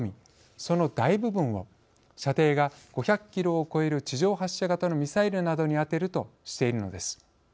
その大部分を射程が５００キロを超える地上発射型のミサイルなどに充てるとしているのです。